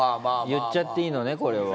言っちゃっていいのねこれは。